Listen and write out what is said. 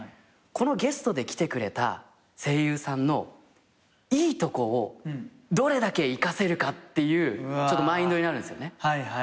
このゲストで来てくれた声優さんのいいとこをどれだけ生かせるかっていうマインドになるんすよね。